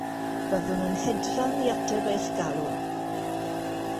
Byddwn yn hedfan i ateb eich galw.